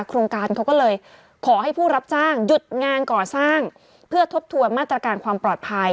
โครงการเขาก็เลยขอให้ผู้รับจ้างหยุดงานก่อสร้างเพื่อทบทวนมาตรการความปลอดภัย